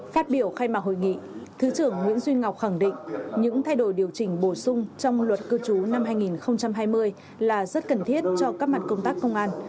phát biểu khai mạc hội nghị thứ trưởng nguyễn duy ngọc khẳng định những thay đổi điều chỉnh bổ sung trong luật cư trú năm hai nghìn hai mươi là rất cần thiết cho các mặt công tác công an